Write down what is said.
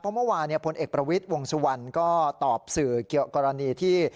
เพราะเมื่อวานพลเอกประวิทย์วงสุวรรณก็ตอบสื่อเกี่ยวกับกรณีที่